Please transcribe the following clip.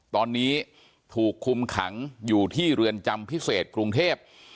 ตอนนี้ถูกคุมขังอยู่ที่เรือนจำพิเศษกรุงเทพ